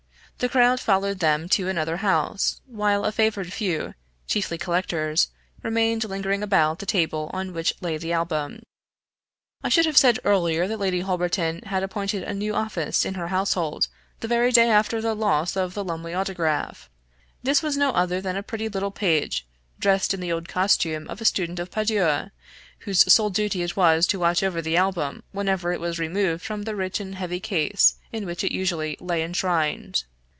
The crowd followed them to another house, while a favored few, chiefly collectors, remained lingering about the table on which lay the Album. I should have said earlier, that Lady Holberton had appointed a new office in her household the very day after the loss of the Lumley Autograph; this was no other than a pretty little page, dressed in the old costume of a student of Padua, whose sole duty it was to watch over the Album whenever it was removed from the rich and heavy case in which it usually lay enshrined.